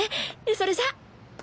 それじゃ！